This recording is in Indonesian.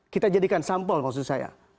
kita jadikan sampel maksud saya